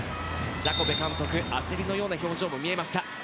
ジャコベ監督、焦りのような表情も見えました。